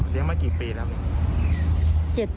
เลี้ยงมากี่ปีแล้ว